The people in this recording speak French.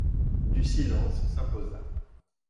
Du silence s'imposa.